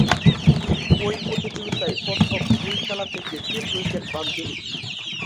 ঐ প্রতিযোগিতার প্রথম দুই খেলা থেকে তিন উইকেট পান তিনি।